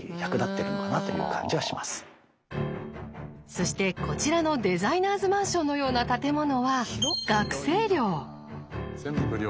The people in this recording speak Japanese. そしてこちらのデザイナーズマンションのような建物は全部寮。